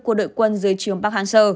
của đội quân dưới chiếm park hansel